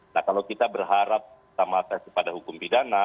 nah kalau kita berharap sama saya kepada hukum pidana